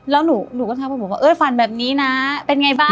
แล้วหนูก็ทักมาบอกว่าเอ้ยฝันแบบนี้นะเป็นไงบ้าง